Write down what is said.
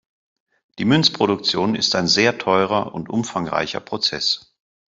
Die Münzproduktion ist ein sehr teurer und umfangreicher Prozess.